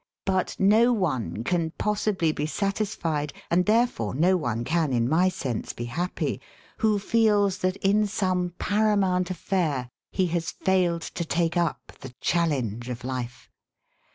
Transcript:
But no one can possibly be satis fied, and therefore no one can in my sense be happy, who feels that in some paramoimt affair he has failed to take up the challenge of life.